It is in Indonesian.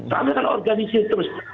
karena mereka organisir terus